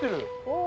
お！